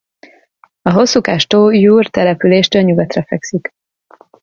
A hosszúkás tó Joure településtől nyugatra fekszik.